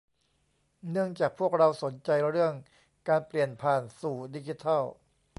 เนื่องจากพวกเราสนใจเรื่องการเปลี่ยนผ่านสู่ดิจิทัล